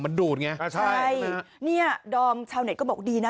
มันดูดไงอ่าใช่เนี่ยดอมชาวเน็ตก็บอกดีนะ